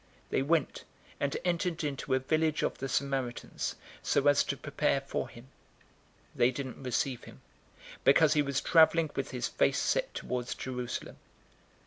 They went, and entered into a village of the Samaritans, so as to prepare for him. 009:053 They didn't receive him, because he was traveling with his face set towards Jerusalem.